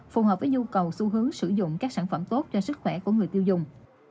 phù hợp với nhu cầu xu hướng sử dụng các sản phẩm tốt cho sức khỏe của người tiêu dùng